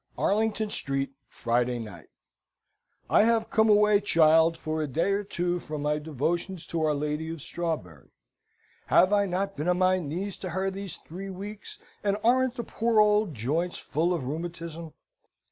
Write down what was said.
"ARLINGTON STREET, Friday Night. "I have come away, child, for a day or two from my devotions to our Lady of Strawberry. Have I not been on my knees to her these three weeks, and aren't the poor old joints full of rheumatism?